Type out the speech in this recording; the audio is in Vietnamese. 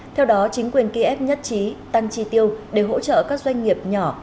theo đó chính quyền kiev nhất trí tăng chi tiêu để hỗ trợ các doanh nghiệp nhỏ